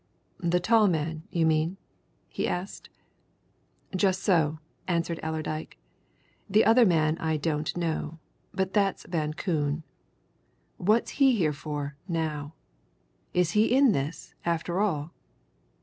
"The tall man, you mean?" he asked. "Just so," answered Allerdyke. "The other man I don't know. But that's Van Koon. What's he here for, now? Is he in this, after all?"